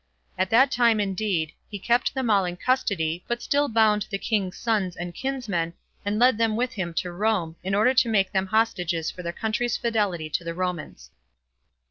At that time, indeed, he kept them all in custody, but still bound the king's sons and kinsmen, and led them with him to Rome, in order to make them hostages for their country's fidelity to the Romans.